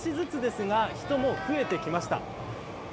少しずつですが人も増えてきました。